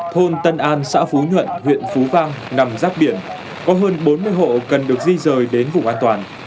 thôn tân an xã phú nhuận huyện phú vang nằm giáp biển có hơn bốn mươi hộ cần được di rời đến vùng an toàn